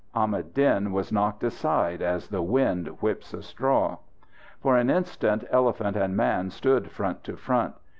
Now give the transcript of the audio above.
Ahmad Din was knocked aside as the wind whips a straw. For an instant elephant and man stood front to front.